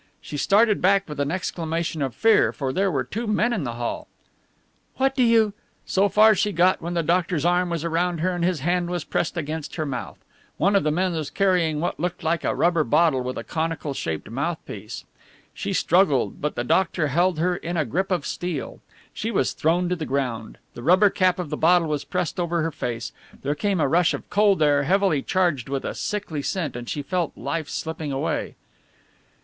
She started back with an exclamation of fear, for there were two men in the hall. "What do you " So far she got when the doctor's arm was round her and his hand was pressed against her mouth. One of the men was carrying what looked like a rubber bottle with a conical shaped mouthpiece. She struggled, but the doctor held her in a grip of steel. She was thrown to the ground, the rubber cap of the bottle was pressed over her face, there came a rush of cold air heavily charged with a sickly scent, and she felt life slipping away....